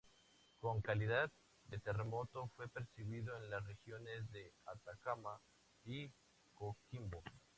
Con "calidad" de terremoto fue percibido en las regiones de Atacama y Coquimbo.